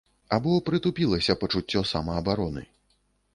Або прытупілася пачуццё самаабароны.